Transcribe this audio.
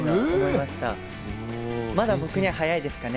まだ僕には早いですかね。